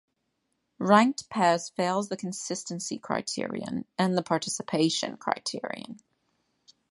Ranked pairs fails the consistency criterion and the participation criterion.